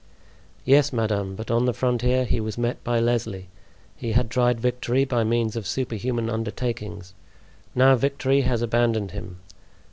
"Yes, madame; but on the frontier he was met by Lesly; he had tried victory by means of superhuman undertakings. Now victory has abandoned him.